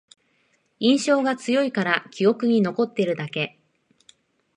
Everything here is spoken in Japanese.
印象が強いから記憶に残ってるだけ